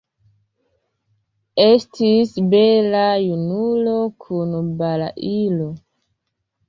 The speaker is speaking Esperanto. Estis bela junulo kun balailo.